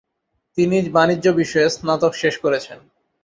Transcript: তিনি বাণিজ্য বিষয়ে স্নাতক শেষ করেছেন।